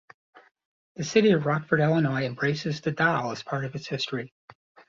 The city of Rockford, Illinois embraces the doll as part of its history.